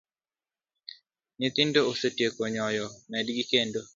Nyithindo osetieko nyoyo medgi kendo